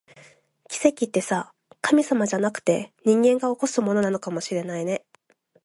奇跡ってさ、神様じゃなくて、人間が起こすものなのかもしれないね